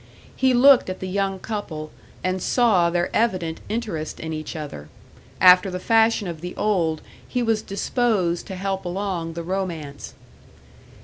He looked at the young couple, and saw their evident interest in each other; after the fashion of the old, he was disposed to help along the romance.